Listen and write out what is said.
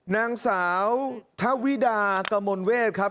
นางสาวทวิดากมลเวทครับ